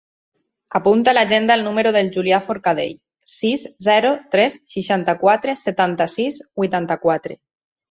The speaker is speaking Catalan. Apunta a l'agenda el número del Julià Forcadell: sis, zero, tres, seixanta-quatre, setanta-sis, vuitanta-quatre.